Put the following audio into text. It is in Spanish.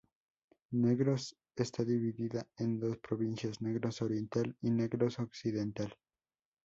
Negros está dividida en dos provincias: Negros Oriental y Negros Occidental.